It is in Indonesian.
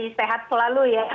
mas terti sehat selalu ya